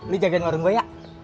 lo jagain warung gue ya